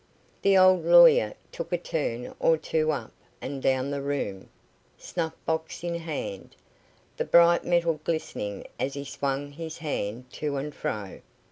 The old lawyer took a turn or two up and down the room, snuff box in hand, the bright metal glistening as he swung his hand to and fro.